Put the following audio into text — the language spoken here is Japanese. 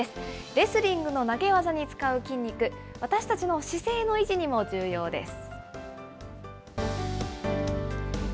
レスリングの投げ技に使う筋肉、私たちの姿勢の維持にも重要です。